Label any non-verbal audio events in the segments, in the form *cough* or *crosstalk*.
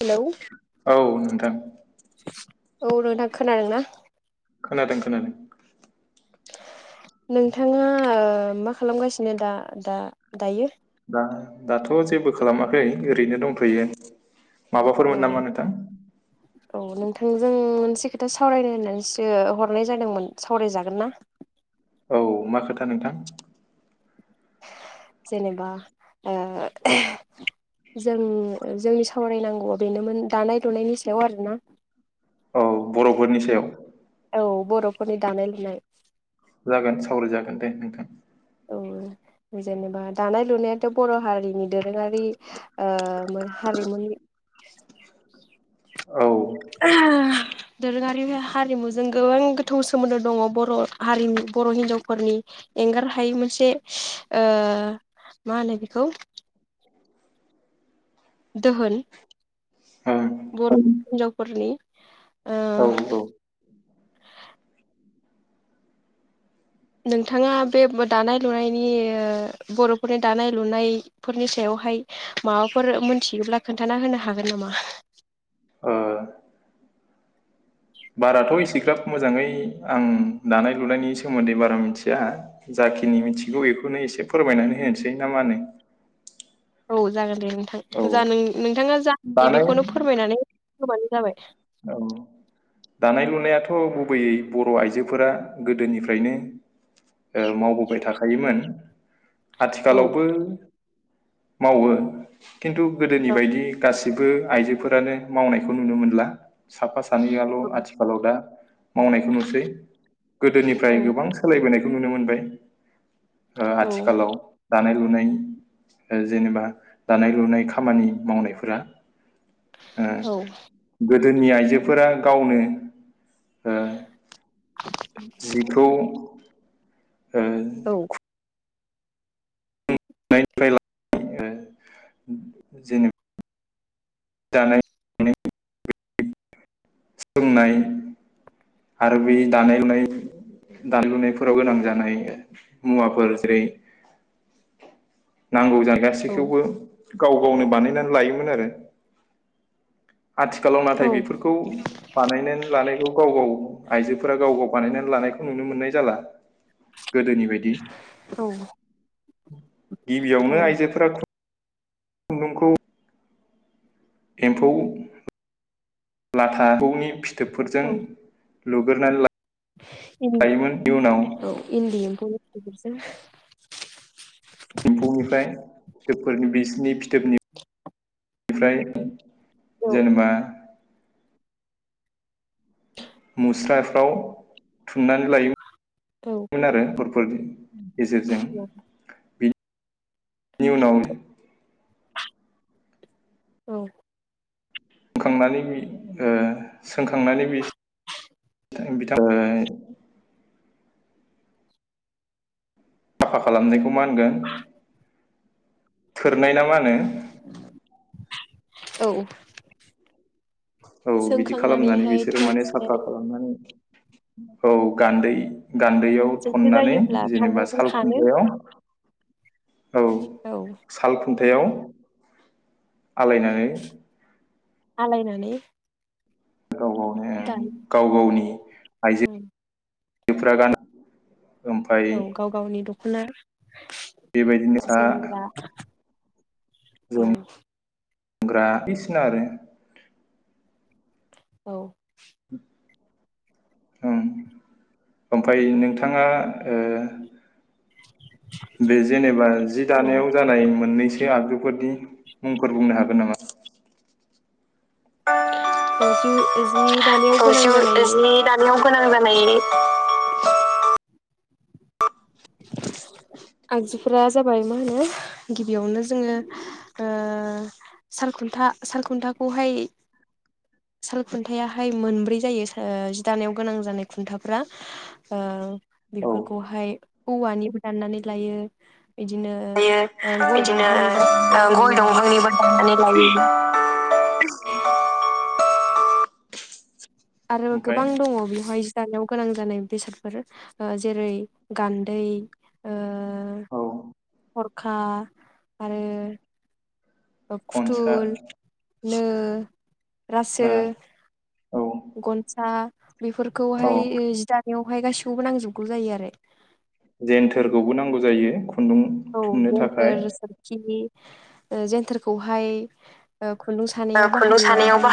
Hello औ नोंथां औ नोंथां खोनादोंना? खोनादों खोनादों नोंथाङा ओ मा खालामगासिनो दा दा दायो? दा दाथ' जेबो खालामाखै ओरैनो दंथ'यो। अ माबाफोरमोन नामा नोंथां? औ नोंथांजों मोनसे खोथा सावरायनो होननानैसो हरनाय जादोंमोन सावरायजागोन ना? औ मा खोथा नोंथां? जेनेबा ओ जों जोंनि स सावरायनांगौ बेनोमोन दानाय दुनायनि सायाव आरोना औ बर'फोरनि सायाव औ बर'फोरनि दानाय लुनाय जागोन सावराय जागोन दे नोंथां औ जेनेबा दानाय लुनायाथ' बर' हारिनि दोरोङारि ओ हारिमुनि औ ओं *inaudible* दोरोङारि हारिमुजों गोबां गोथौ सोमोन्दो दङ बर' हारिनि बर' हिनजावफोरनि एंगार हायै मोनसे ओ मा होनो बेखौ दोहोन बर' हिनजावफोरनि ओ औ ओ नोंथाङा बे दानाय लुनायनि बर'फोरनि दानाय लुनायफोरनि सायावहाय माबाफोर मोनथियोब्ला खोन्थाना होनो हागोन नामा? ओ बाराथ' एसेग्राब मोजाङै आं दानाय लुनायनि सोमोन्दै बारा मिथिया जाखिनि मिथिगौ बेखौनो एसे फोरमायनानै होनोसै ना मा होनो औ जागोन दे औ नोंथां जा नोंथाङा जा मिथियो *unintelligible* दानाय बेखौनो फोरमायनानै होबानो जाबाय औ दानाय लुनायाथ' गुबैयै बर' आइजोफोरा गोदोनिफ्रायनो मावबोबाय था हायोमोन औ आथिखालावबो मावो खिन्थु गोदोनि बायदि गासै बो आइजोफोरानो मावनायखौ नुनो मोनला साफा सानैयाल' आथिखालाव दा मावनायखौ नुसै औ गोदोनिफ्राय गोबां सोलायबोनाय जों नुनो मोनबाय ओ औ आथिखालाव दानाय लुनाय जेनेबा दानाय लुनाय खामानि मावनायफोरा ओ औ गोदोनि आइजोफोरा गावनो ओ जिखौ ओ फ्राय ल जेनेबा जानाय *unintelligible* सोलोंनाय आरो बे दानाय-लुनाय दानाय-लुनायफोराव गोनां जानाय मुवाफोर जेरै नांगौ जानाय औ गासिखौबो गाव गावनो बानायनानै लायोमोन आरो आथिखालाव नाथाय औ बेफोरखौ बानायनानै लानायखौ गाव गाव आइजोफोरा गाव गाव बानायनानै लानायखौ नुनो मोननाय जाला गोदोनि बायदि औ औ गिबियावनो आइजोफोरा ख नोंखौ एमफौ लाथा एमफौनि फिथो थोबफोरजों लुग्रोरनानै औ इनदि औ इनदि एमफौ ओ एम्फौनिफ्राय फिथोबफोरनि बिसिनि फिथोब *inaudible* औ *unintelligible* जेनेबा मुस्राफ्राव थुननानै लायो औ मोन आरो *unintelligible* गेजेरजों बि नि उनाव औ खांनानै बै ओ सोंखांनानै बि *inaudible* *inaudible* खालामनायखौ मा होनगोन *unintelligible* ना मा होनो औ औ बिदि खालामनानै सोंखांनानैहाय बिसोरो माने थोरनानै साफा खालामनानै औ गानदै गानदैयाव जेथो थननानै जायोब्ला जेनेबा खानजंजों साल खानो खुनथायाव औ थायाव आलायनानै आलाय नानै गाव गावनो गाव गावनि औ आइजो फ्रा गानो। ओमफ्राय औ गाव गावनि दख'ना बेबायदिनो जोमग्रा औ जोम ग्रा दिसिना आरो। औ ओं ओमफाय नोंथाङा ओ बे जेनेबा जि औ दानायाव जानाय मोननैस सो आगजुफोरनि मुंफोर बुंनो हागोन नामा? *inaudible* औ जिउ ओज जि दानायाव औ गोनां जि जानाय जि दानायाव गोनां जानाय आगजुफोरा जाबाय मा होनो गिबियावनो जोङो ओ सालखुन्था सालखुन्थाखौहाय सालखुन्थायाहाय मोनब्रै जायो सा ओ जि दानायाव गोनां जानाय खुन्थाफ्रा ओ औ बेफोरखौहाय औवानिबो दाननानै लायो बिदिनो ओ गय दंफांनिबो दाननानै लायो *unintelligible* *unintelligible* आरो ओमफ्राय गोबां दङ बेव जि जानायाव गोनां जानाय बेसादफोर ओ जेरै गान्दै ओ औ हरखा आरो गनसा फुथुल नो रासो ओ औ गनसा बेफोरखौहाय औ ओ जि दानायाव हाय गासिखौबो नांजोबगौ जायो आरो जेन्थोरखौबो नांगौ जायो खुन्दुं औ थुननो थाखाय जेन्थोर सोरखि ओ जेन्थोरखौहाय खुन्दुं ओ सानायाव खुन्दुं बाहायो सानायाव आरो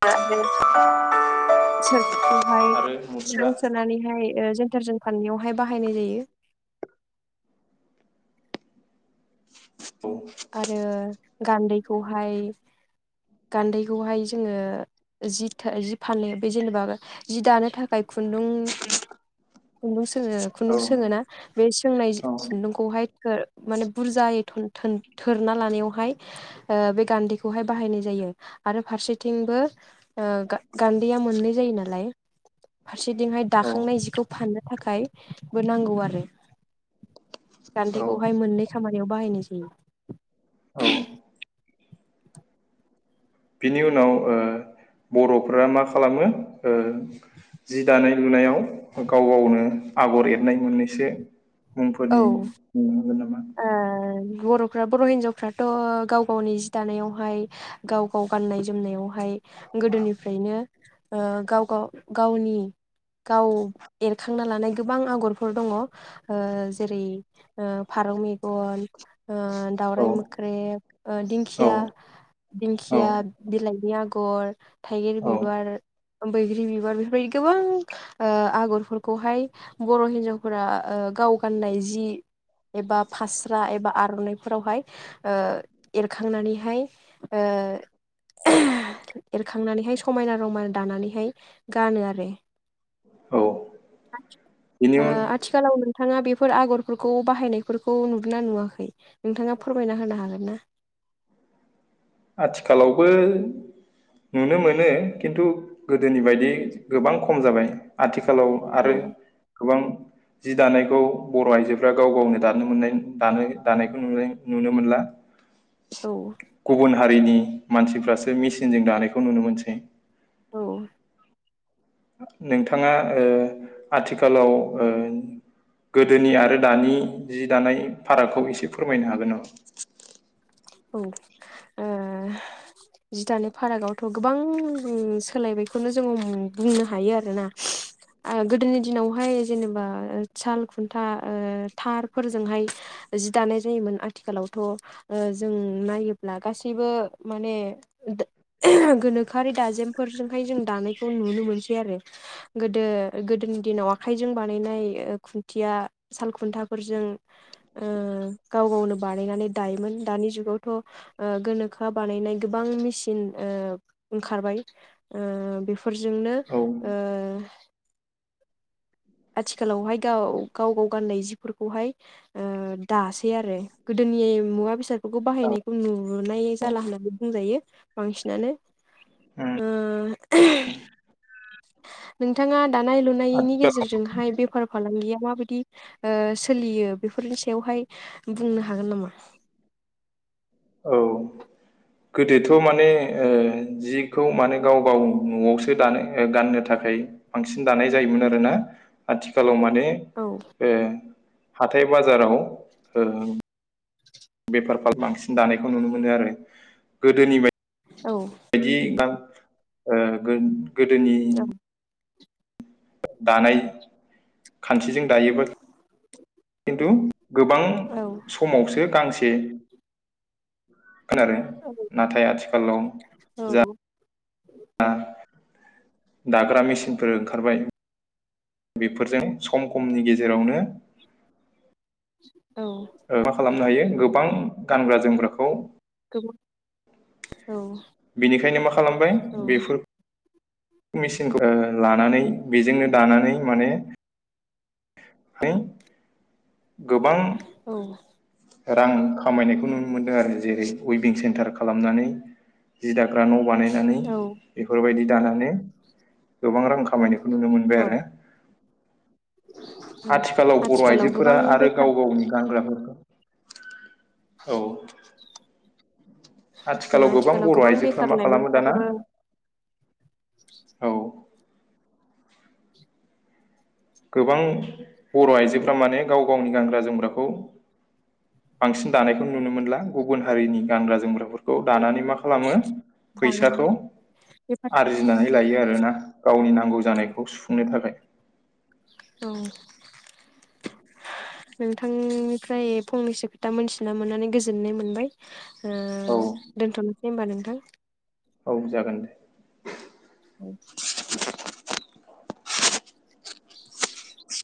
*unintelligible* सोरखिखौहाय आरो मुस्रा खुन्दुं सोनानैहाय ओ जों टारजों फाननायावहाय बाहायनाय जायो औ आरो गान्दै खौहाय गान्दैखौहाय जोङो जि थो जि फानो बे जेनेबा जि दानो थाखाय खुन्दुं खुन्दुं सोङो खुन्दुं सोङो ना औ बे सोंनाय औ खुन्दुंखौहाय खो माने बुरजायै थन‌ थो थोरना लानायावहाय ओ बे गान्दैखौहाय बाहायनाय जायो आरो फारसेथिंबो ओ गान्दैया मोननै जायो नालाय फारसेथिंहाय औ दाखांनाय जिखौ फानदों थाखायबो नांगौ आरो औ गानदैखौहाय मोननै खामानि *unintelligible* बाहायनाय जायो औ *unintelligible* बिनि उनाव बर'फोरा मा खालामो जि दानाय लुनायाव गाव गावनो आगर एरनाय मोननैसो मुंफोरनि औ मुं मोनगोन नामा? ओ बर'फ्रा बर' हिन्जावफ्राथ' गाव गावनि जि दानायावहाय गाव गाव गाननाय जोमनायावहाय गोदोनिफ्रायनो गाव गाव गावनि गाव एरखांना लानाय गोबां आगरफोर दङ ओ *unintelligible* फारौ मेगन औ दावराइ मोख्रेब औ दिंखिया औ दिंखिया बिलाइनि आगर *unintelligible* थाइगिर औ बिबार बैग्रि बिबार बेफोरबायदि गोबां ओ आगरफोरखौहाय बर' हिनजावफोरा ओ गाव गाननाय जि एबा फास्रा एबा आर'नाइफोरावहाय ओ एरखांनानैहाय ओ एरखांनानैहाय समायना रमायना दानानैहाय गानो आरो औ बिनि उन थाङा बिफ फोर आग'रफोरखौ बाहायनायफोरखौ नुदोंना नुवाखै नोंथाङा फोरमायना होनो हागोन ना? आथिखालावबो नुनो मोनो खिन्थु गोदोनि बायदि गोबां खम जाबाय आथिखाल लाव औ आरो गोबां जि दानायखौ बर' आइजोफ्रा गाव गावनो दानो मोननाय दानाय दानायखौ नु नुनो मोनला औ गुबुन हारिनि मानसिफ्रासो मेचिनजों दानायखौ नुनो मोनसै औ नोंथाङा ओ आथिखालाव गोदोनि आरो दानि जि दानाय फारागखौ एसे फोरमायनो हागोन नामा? औ ओ जि दानाय फारागआवथ' गोबां सोलायनायखौनो जोङो बुंनो हायो आरोना ओ गोदोनि दिनावहाय जेनेबा साल खुन्था थारफोरजोंहाय जि दानाय जायोमोन आथिखालावथ' जों नायोब्ला गासैबो माने गोनोखोआरि दाजेमफोरजोंहाय जों दानायखौ नुनो मोनसै आरो गोदो गोदोनि दिनाव आखाइजों बानायनाय खुन थिआ सालखुन्थाफोरजों ओ गाव गावनो बानायनानै दायोमोन दानि जुगावथ' ओ गोनो खोआ बानायनाय गोबां मेसिन ओ ओंखारबाय ओ बेफोरजोंनो औ उम ओ आथिखालावहाय गाव गाव गाव गाननाय जिफोरखौहाय ओ दासै आरो गोदोनि मुवा बेसाद फोरखौ बाहायनायखौ नु नुनाय जाला होननानै बुंजायो बांसिनानो ओ नोंथाङा दानाय लुनायनि आथिखालाव गेजेरजोंहाय बेफार फालांगिया माबायदि सोलियो बेफोरनि सायावहाय बुंनो हागोन नामा? औ गोदोथ' माने ओ जिखौ माने गाव गाव न'आवसो दानो गाननो थाखाय बांसिन दानाय जायोमोन आरोना आथिखालाव माने औ ने ओ हाथाय बाजाराव ओ बेफारखौ बांसिन दानायखौ नुनो मोनो आरो गोदोनि बायदि औ बिदि गाम ओ गो गोदोनि दानाय खान्थिजों दायोबा खिन्थु गोबां औ समावसो गांसे बे मोन आरो औ नाथाय आथिखालाव जा औ आ दाग्रा मेसिनफोर ओंखारबाय बेफोरजों सम खमनि गेजेरावनो *inaudible* ओ मा खालामनो हायो गोबां गानग्रा जोमग्राखौ *unintelligible* बेनिखायनो मा खालामबाय औ बेफोर मेसिनखौ लानानै बेजोंनो दानानै माने है गोबां औ रां खामायनायखौ नुनो मोनदों आरो जेरै उइबिं सेन्टार खालामनानै जि दा ग्रा न' बानायनानै औ बेफोरबायदि दानानै गोबां रां खामायनो नुनो औ मोनबाय आरो औ आथिखालाव बर' गोबां आइजोफोरा आरो बेखार गाव गावनि गानग्राफोर नंगौ औ आथिखालाव गोबां बर' आइजोफोरा मा खालामो दाना औ गोबां बर' आइजोफोरा माने गाव गावनि गानग्रा जोमग्राखौ बांसिन दानायखौ नुनो मोनला गुबुन हारिनि गानग्रा जोमग्राफोर खौ औ दानानै मा खालामो दानानै फैसाखौ बेफार आरजिनानै लायो आरोना गावनि नांगौ औ जानायखौ सुफुंनो थाखाय औ नोंथांनिफ्राय फंनैसो खोथा मोनथिना मोननानै गोजोननाय मोनबाय औ दोनथ'नो दे होमबा नोंथां औ जागोन दे औ *inaudible*